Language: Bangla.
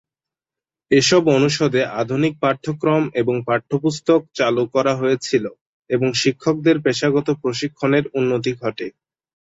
এসব অনুষদে আধুনিক পাঠ্যক্রম এবং পাঠ্যপুস্তক চালু করা হয়েছিল এবং শিক্ষকদের পেশাগত প্রশিক্ষণের উন্নতি ঘটে।